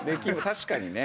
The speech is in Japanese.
確かにね。